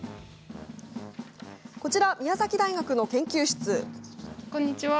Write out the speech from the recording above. こちら、宮崎大学の研究室。